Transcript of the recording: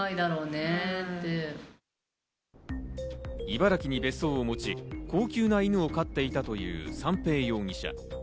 茨城に別荘を持ち、高級な犬を飼っていたという三瓶容疑者。